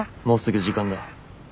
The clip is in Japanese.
もうすぐ時間だ。